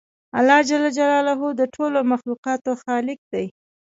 الله جل جلاله د ټولو مخلوقاتو خالق دی